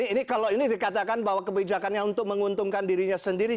ini kalau ini dikatakan bahwa kebijakannya untuk menguntungkan dirinya sendiri